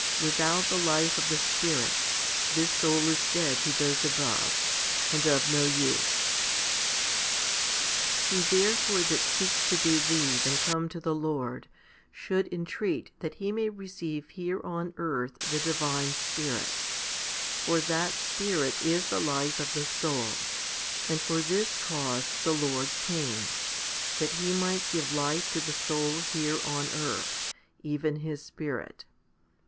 Without the life of the Spirit, this soul is dead to those above, and of no use. 6. He therefore that seeks to believe and come to the Lord, should entreat that he may receive here on earth the 226 FIFTY SPIRITUAL HOMILIES Divine Spirit ; for that Spirit is the life of the soul, and for this cause the Lord came, that He might give life to the soul here on earth, even His Spirit.